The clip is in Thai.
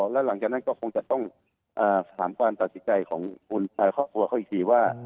แล้วหลังจากนั้นก็คงจะต้องถามความตัดสินใจของครอบครัวเขาอีกทีว่า